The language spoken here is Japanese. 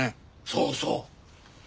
そうそう。